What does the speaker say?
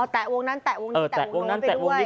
อ๋อแตะวงนั้นแตะวงนี้แตะวงโน้มไปด้วย